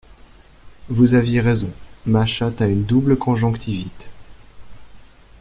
Vous aviez raison, ma chatte a une double conjonctivite.